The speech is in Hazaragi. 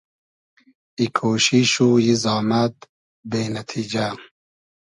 ای کۉشیش و ای زامئد بې نئتیجۂ